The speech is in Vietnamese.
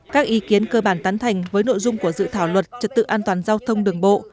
các ý kiến cơ bản tán thành với nội dung của dự thảo luật trật tự an toàn giao thông đường bộ